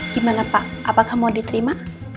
gimana pak apakah mau diterima